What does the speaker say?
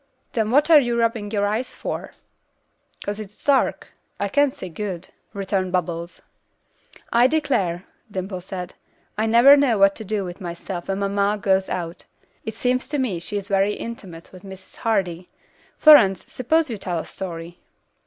"Then what are you rubbing your eyes for?" "'Cause it's dark. I can't see good," returned Bubbles. "I declare," Dimple said, "I never know what to do with myself when mamma goes out; it seems to me she is very intimate with Mrs. Hardy. Florence, suppose you tell a story."